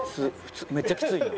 めっちゃきついわ。